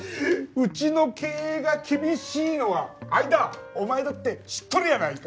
うちの経営が厳しいのは相田お前だって知っとるやないか！